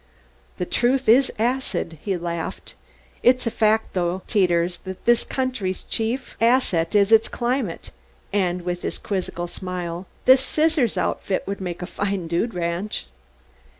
"The truth is acid," he laughed. "It's a fact though, Teeters, that this country's chief asset is its climate, and," with his quizzical smile, "this Scissor Outfit would make a fine dude ranch."